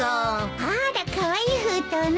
あらカワイイ封筒ね。